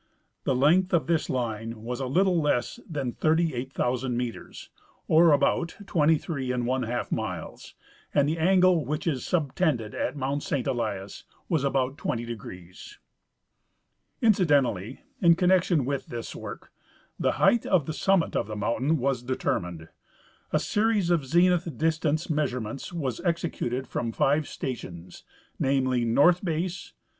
The length of this line was a little less than 38,000 metres, or about 232 miles, and the angle which is subtended at mount Saint Elias was about 20°. Incidentally in connection Avith this work, the height of the summit of the mountain Avas determined. A series of zenith distance measurements Avas executed from tive stations, namely : North base.